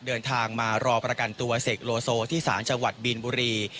เดินทางมารอประกันตัวเสกโลโซที่สารจังหวัดบีนบุรี